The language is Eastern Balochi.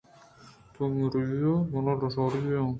تو مری یے ئے ءُ من لاشاری یے آں۔